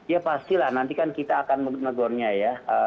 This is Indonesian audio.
ya pastilah nanti kan kita akan menegurnya ya